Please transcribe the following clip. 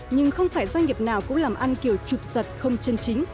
nhưng không phải doanh nghiệp nào cũng làm ăn kiểu trục giật không chân chính